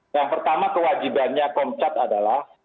yang pertama kewajibannya komcat adalah